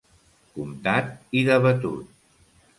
Comptat i debatut.